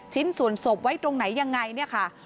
ชิ้นส่วนศพไว้ตรงไหนยังไงเนี่ยค่ะ